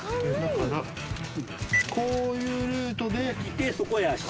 こういうルートで来てそこやし